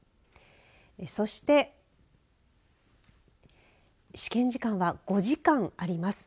そして、試験時間は５時間あります。